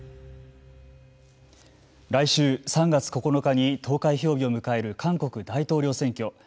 来週３月９日に投開票日を迎える韓国大統領選挙。